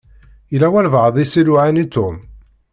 Yella walebɛaḍ i s-iluɛan i Tom.